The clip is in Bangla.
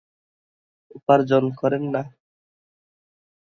উপার্জন করেন না।